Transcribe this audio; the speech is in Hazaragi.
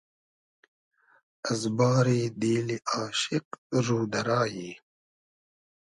از باری دیلی آشیق رو دۂ رایی